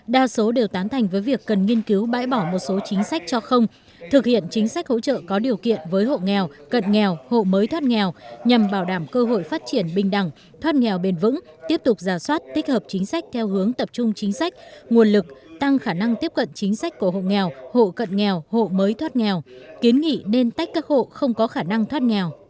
đa số đều tán thành với việc cần nghiên cứu bãi bỏ một số chính sách cho không thực hiện chính sách hỗ trợ có điều kiện với hộ nghèo cận nghèo hộ mới thoát nghèo nhằm bảo đảm cơ hội phát triển bình đẳng thoát nghèo bền vững tiếp tục giả soát tích hợp chính sách theo hướng tập trung chính sách nguồn lực tăng khả năng tiếp cận chính sách của hộ nghèo hộ cận nghèo hộ mới thoát nghèo kiến nghị nên tách các hộ không có khả năng thoát nghèo